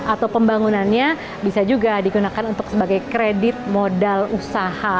atau pembangunannya bisa juga digunakan untuk sebagai kredit modal usaha